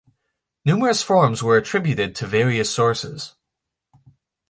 Numerous forms were attributed to various sources.